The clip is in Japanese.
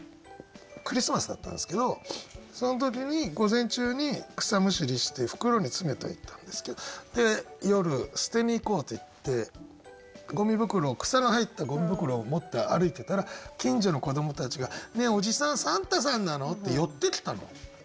クリスマスだったんですけどその時に午前中に草むしりして袋に詰めといたんですけど夜捨てに行こうっていって草の入ったゴミ袋を持って歩いてたら近所の子どもたちが「ねえおじさんサンタさんなの？」って寄ってきたの。